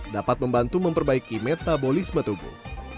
dapat membantu memperbaiki metabolisme tubuh